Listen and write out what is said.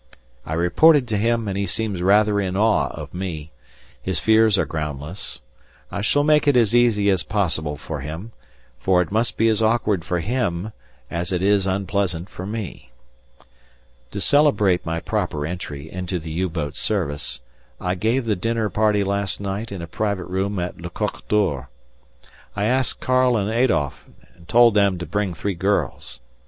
I reported to him and he seems rather in awe of me. His fears are groundless. I shall make it as easy as possible for him, for it must be as awkward for him as it is unpleasant for me. To celebrate my proper entry into the U boat service, I gave a dinner party last night in a private room at "Le Coq d'Or." I asked Karl and Adolf, and told them to bring three girls.